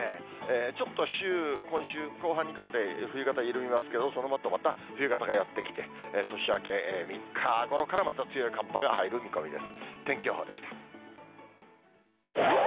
ちょっと今週後半にかけて、冬型緩みますけれども、そのあとまた冬型がやって来て、年明け３日ごろから、また強い寒波が入る見込みです。